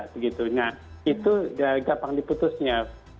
begitunya itu gampang diputusnya